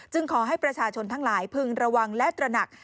ขอให้ประชาชนทั้งหลายพึงระวังและตระหนัก